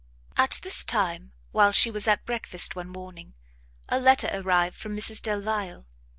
At this time, while she was at breakfast one morning, a letter arrived from Mrs Delvile.